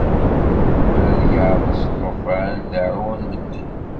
Mi ara d-yeɛḍes llufan, deɛɛun medden